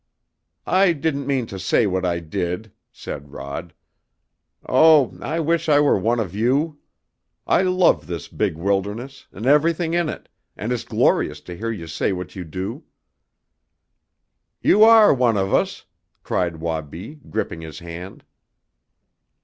"I didn't mean to say what I did," said Rod. "Oh, I wish I were one of you! I love this big wilderness, and everything in it, and it's glorious to hear you say what you do!" "You are one of us," cried Wabi, gripping his hand.